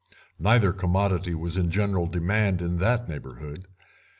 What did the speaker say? Neither commodity was in general demand in that neighbourhood.